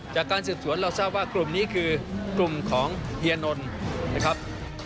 จากการสืบสวนเราทราบว่ากลุ่มนี้คือกลุ่มของเฮียนนท์นะครับ